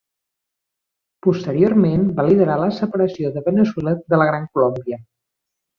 Posteriorment va liderar la separació de Veneçuela de la Gran Colòmbia.